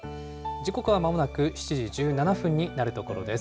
時刻はまもなく７時１７分になるところです。